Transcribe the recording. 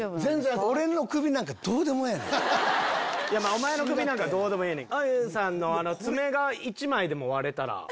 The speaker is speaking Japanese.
お前の首なんかどうでもええねん。